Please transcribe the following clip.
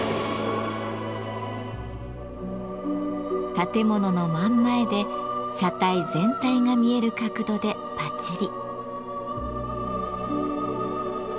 建物の真ん前で車体全体が見える角度でパチリ。